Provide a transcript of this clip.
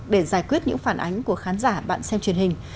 để giải quyết những phản ánh của khán giả bạn xem truyền hình